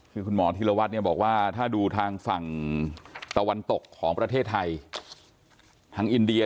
คือคุณหมอธิรวัตรเนี่ยบอกว่าถ้าดูทางฝั่งตะวันตกของประเทศไทยทางอินเดีย